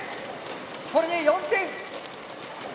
これで４点。